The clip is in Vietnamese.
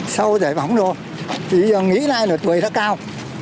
sau giải phóng đồ thì giờ nghĩ lại là tuổi rất cao